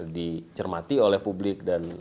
diharmati oleh publik dan